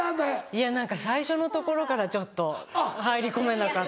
いや何か最初のところからちょっと入り込めなかった。